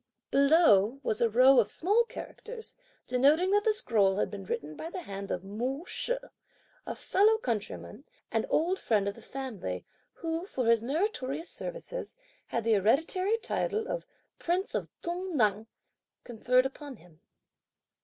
Below, was a row of small characters, denoting that the scroll had been written by the hand of Mu Shih, a fellow countryman and old friend of the family, who, for his meritorious services, had the hereditary title of Prince of Tung Ngan conferred upon him.